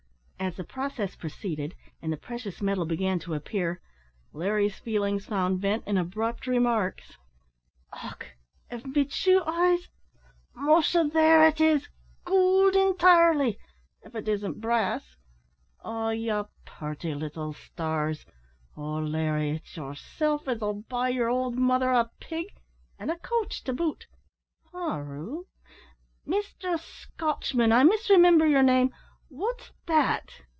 As the process proceeded, and the precious metal began to appear, Larry's feelings found vent in abrupt remarks. "Och! av me tshoo eyes musha! there it is goold intirely av it isn't brass. Ah ye purty little stars! O Larry, it's yerself as'll buy yer owld mother a pig, an' a coach to boot. Hooroo! Mr Scotchman, I misremimber yer name, wot's that?"